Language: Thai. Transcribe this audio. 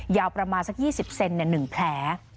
ยาวประมาณสัก๒๐เซน๑แผล